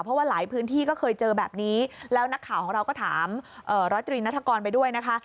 เพราะว่าหลายพื้นที่ก็เคยเจอแบบนี้แล้วนักข่าวของเราก็ถามร้อยตรีนัฐกรไปด้วยนะคะ